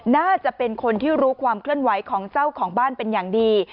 น่าจะเป็นคนที่รู้ความเคลื่อนไหวของเจ้าของบ้านเป็นอย่างดี